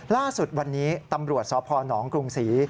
ล่าสุดวันนี้ตำรวจสพนกรุงศรี